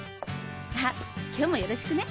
あっ今日もよろしくね！